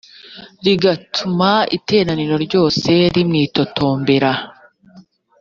bigatuma iteraniro ryose rimwitotombera